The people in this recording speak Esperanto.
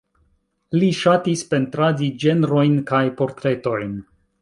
Li ŝatis pentradi ĝenrojn kaj portretojn.